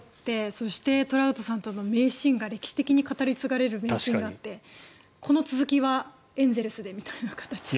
そして、トラウトさんとの歴史的に語り継がれる名シーンがあってこの続きはエンゼルスでみたいな形で。